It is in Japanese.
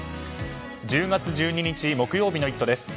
１０月１２日、木曜日の「イット！」です。